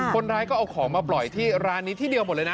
คนร้ายก็เอาของมาปล่อยที่ร้านนี้ที่เดียวหมดเลยนะ